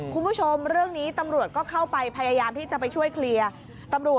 คุณผู้ชมเรื่องนี้ตำรวจก็เข้าไปพยายามที่จะไปช่วยเคลียร์ตำรวจ